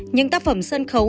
những tác phẩm sân khấu